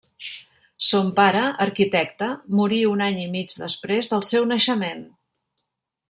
Son pare, arquitecte, morí un any i mig després del seu naixement.